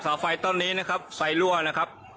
ไฟต้นนี้นะครับไฟรั่วนะครับ